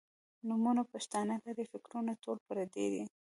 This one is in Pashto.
نومونه پښتانۀ لــري فکـــــــــــرونه ټول پردي دي